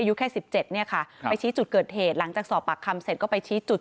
อายุแค่๑๗เนี่ยค่ะไปชี้จุดเกิดเหตุหลังจากสอบปากคำเสร็จก็ไปชี้จุด